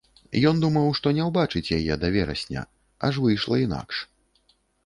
Ён думаў, што не ўбачыць яе да верасня, аж выйшла інакш.